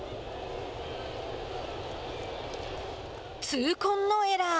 痛恨のエラー。